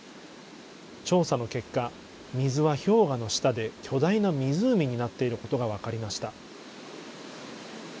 調査の結果、水は氷河の下で巨大な湖になっていることが分かりました。